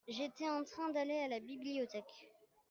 J'étais en train d'aller à la bibliothèque.